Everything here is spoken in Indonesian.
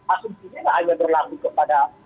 asumsinya hanya berlaku kepada